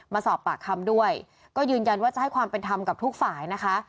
มาสอบปากคำด้วยก็ยืนยันว่าจะให้ความเป็นธรรมกับทุกฝ่ายนะคะ